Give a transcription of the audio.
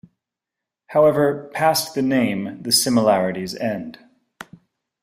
However, past the name, the similarities end.